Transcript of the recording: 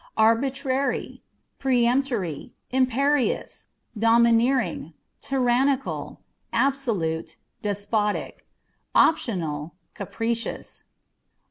Arbitrary â€" peremptory, imperious, domineering, tyrannical, absolute, despotic ; optional, capricious.